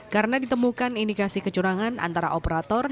karena ditemukan indikasi kecurangan antara operator